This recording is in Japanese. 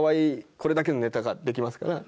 これだけのネタができますから。